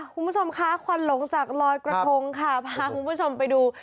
คุณผู้ชมคะควันหลงจากลอยกระทงค่ะพาคุณผู้ชมไปดู